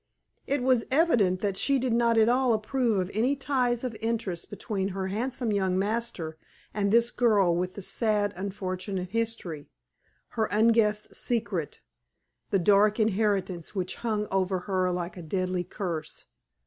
It was evident that she did not at all approve of any ties of interest between her handsome young master and this girl with the sad, unfortunate history her unguessed secret the dark inheritance which hung over her like a deadly curse.